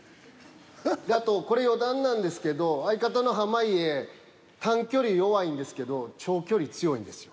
であとこれ余談なんですけど相方の濱家短距離弱いんですけど長距離強いんですよ。